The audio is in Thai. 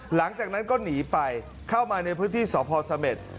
หลังจากนั้นก็หนีไปเข้ามาในพื้นที่สพเสม็ด